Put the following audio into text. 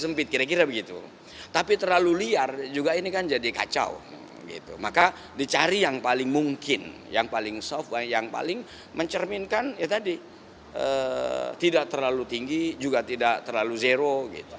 maka dicari yang paling mungkin yang paling soft yang paling mencerminkan ya tadi tidak terlalu tinggi juga tidak terlalu zero